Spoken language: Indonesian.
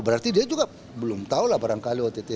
berarti dia juga belum tahu lah barangkali ott